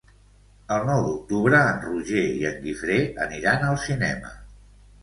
El nou d'octubre en Roger i en Guifré aniran al cinema.